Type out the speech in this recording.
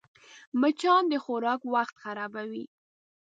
مچان د خوراک وخت خرابوي